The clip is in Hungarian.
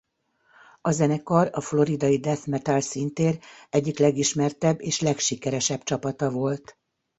A zenekar a floridai death metal színtér egyik legismertebb és legsikeresebb csapata volt.